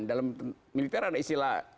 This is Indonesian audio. dalam militer ada istilah